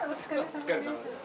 お疲れさまです